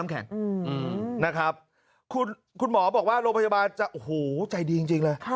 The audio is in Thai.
พี่หมอบอกว่าโรงพยาบาลโหใจดีจริงเลย